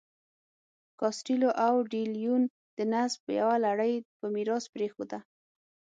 کاسټیلو او ډي لیون د نسب یوه لړۍ په میراث پرېښوده.